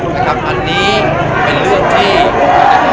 มุมการก็แจ้งแล้วเข้ากลับมานะครับ